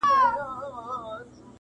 هغه ښه دي نه چي ستا پر عقل سم وي٫